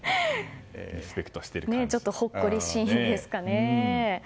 ちょっとほっこりシーンですかね。